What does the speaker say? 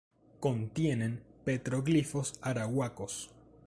Contienen petroglifos Arahuacos.